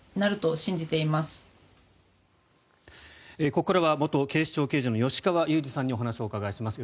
ここからは元警視庁刑事の吉川祐二さんにお話をお伺いします。